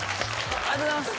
ありがとうございます。